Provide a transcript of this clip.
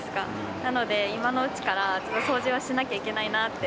なので今のうちから掃除はしなきゃいけないなって。